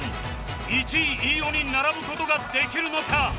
１位飯尾に並ぶ事ができるのか？